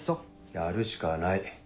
やるしかない。